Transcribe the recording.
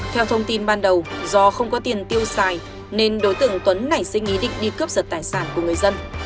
theo thông tin ban đầu do không có tiền tiêu xài nên đối tượng tuấn nảy sinh ý định đi cướp giật tài sản của người dân